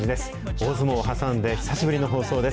大相撲を挟んで、久しぶりの放送です。